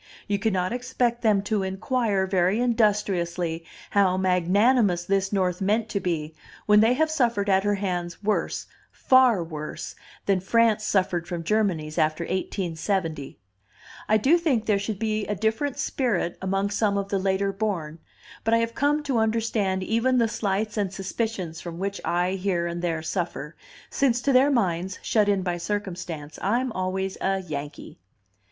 You cannot expect them to inquire very industriously how magnanimous this North meant to be, when they have suffered at her hands worse, far worse, than France suffered from Germany's after 1870. "I do think there should be a different spirit among some of the later born, but I have come to understand even the slights and suspicions from which I here and there suffer, since to their minds, shut in by circumstance, I'm always a 'Yankee.